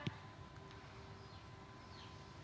informasi yang kami peroleh